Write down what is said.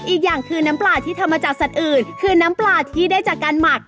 อีกอย่างคือน้ำปลาที่ทำมาจากสัตว์อื่นคือน้ำปลาที่ได้จากการหมัก